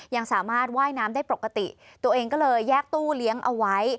ยังสามารถว่ายน้ำได้ปกติตัวเองก็เลยแยกตู้เลี้ยงเอาไว้